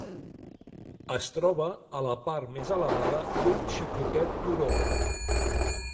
Es troba a la part més elevada d'un xicotet turó.